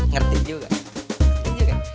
ngerti juga ngerti juga